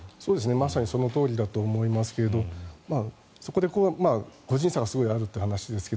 まさにそのとおりだと思いますがそこで個人差がすごくあるという話ですが